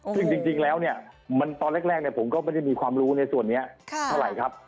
ซึ่งจริงจริงแล้วเนี้ยมันตอนแรกแรกเนี้ยผมก็ไม่ได้มีความรู้ในส่วนเนี้ยค่ะเท่าไหร่ครับ